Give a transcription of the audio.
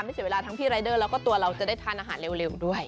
เสียเวลาทั้งพี่รายเดอร์แล้วก็ตัวเราจะได้ทานอาหารเร็วด้วย